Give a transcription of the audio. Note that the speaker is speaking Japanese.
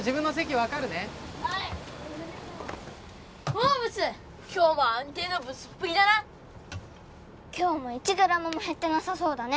・はいおおブス今日も安定なブスっぷりだな今日も１グラムも減ってなさそうだね